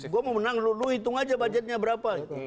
gue mau menang lu hitung aja budgetnya berapa